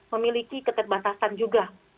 memiliki keterbatasan juga